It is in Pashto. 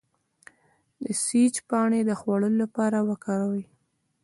د سیج پاڼې د خولې لپاره وکاروئ